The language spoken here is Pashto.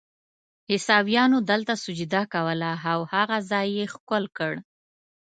عیسویانو دلته سجده کوله او هغه ځای یې ښکل کړ.